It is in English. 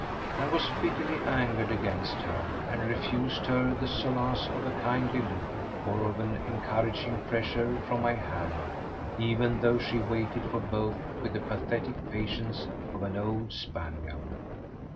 I was bitterly angered against her, and refused her the solace of a kindly look or of an encouraging pressure from my hand, even though she waited for both with the pathetic patience of an old spaniel.